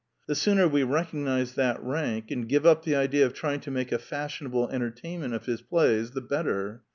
The sooner we recognize that rank and give up the idea of trying to make a fashionable entertainment of his plays the bet ter.